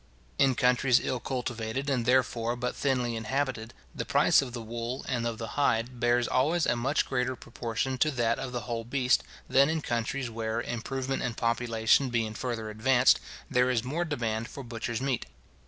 In countries ill cultivated, and therefore but thinly inhabited, the price of the wool and the hide bears always a much greater proportion to that of the whole beast, than in countries where, improvement and population being further advanced, there is more demand for butcher's meat.